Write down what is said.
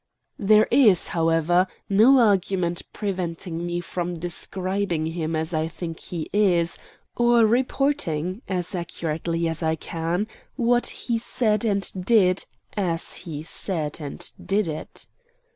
There is, however, no agreement preventing me from describing him as I think he is, or reporting, as accurately as I can, what he said and did as he said and did it.